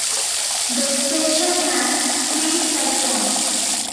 The station has three platforms.